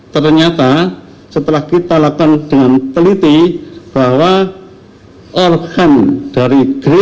ternyata setelah kita lakukan dengan teliti bahwa organ dari geris rna harap maupun organ dari david arianto